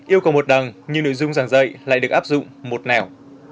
yêu cầu một đằng nhưng nội dung giảng dạy lại được áp dụng một nẻo